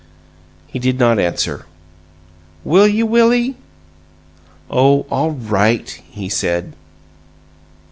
He did not answer. "Will you, Willie?" "Oh, all RIGHT!" he said.